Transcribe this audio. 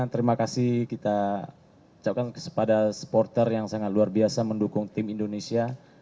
terima kasih kita ucapkan kepada supporter yang sangat luar biasa mendukung tim indonesia